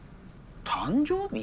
誕生日？